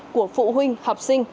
của phụ huynh học sinh